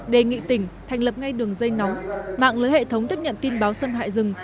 đề nghị tỉnh thành lập ngay đường dây nóng mạng lưới hệ thống tiếp nhận tin báo xâm hại rừng